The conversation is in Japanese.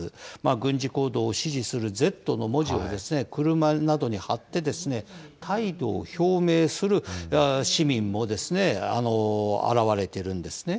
軍事行動を支持するＺの文字を車などに貼って、態度を表明する市民も現れているんですね。